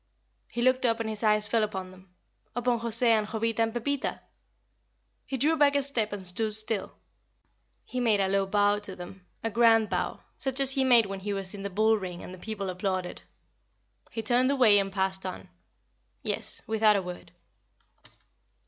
He looked up and his eye fell upon them upon José and Jovita and Pepita! He drew back a step and stood still; he made a low bow to them, a grand bow, such as he made when he was in the bull ring and the people applauded. He turned away and passed on. Yes, without a word.